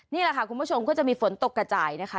นี่แหละค่ะคุณผู้ชมก็จะมีฝนตกกระจายนะคะ